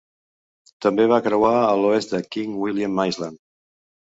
També va creuar a l'oest a King William Island.